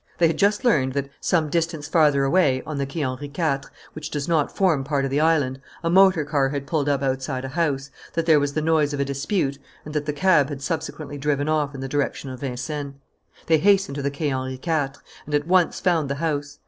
They had just learned that, some distance farther away, on the Quai Henri IV, which does not form part of the island, a motor car had pulled up outside a house, that there was the noise of a dispute, and that the cab had subsequently driven off in the direction of Vincennes. They hastened to the Quai Henri IV and at once found the house.